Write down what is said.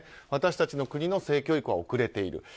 私たちの国の性教育は遅れている。